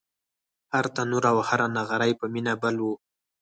هر تنور او هر نغری په مینه بل و